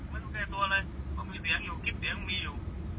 ไม่ใช่ตัวเลยเพราะมีเสียงอยู่คลิปเสียงมีอยู่